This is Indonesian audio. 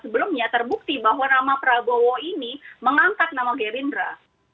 sebelumnya terbukti bahwa nama prabowo ini mengangkat nama gerindra